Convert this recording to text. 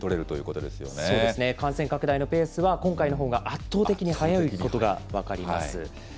そうですね、感染拡大のペースは、今回のほうが圧倒的に速いことが分かります。